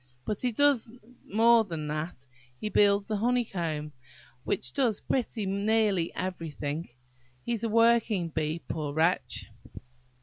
But he does more than that. He builds the honeycomb, and does pretty nearly everything. He's a working bee, poor wretch!"